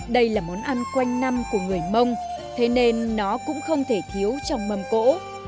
đây là món ăn quanh năm của người mông thế nên nó cũng không thể thiếu trong mâm cỗ